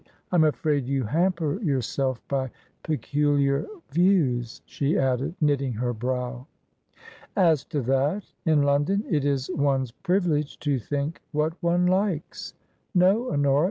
"I'm afraid you hamper yourself by peculiar views," she added, knitting her brow. "As to that, in London it is one's privilege to think what one likes. No, Honora